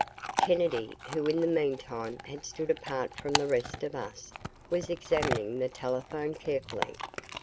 Kennedy, who in the meantime had stood apart from the rest of us, was examining the telephone carefully.